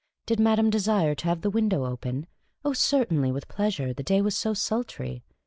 Did madame desire to have the window open ? Oh, certainly, with pleasure ; the day was so sultry.